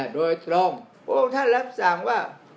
โดยตรงพระองค์ท่านรับสั่งว่า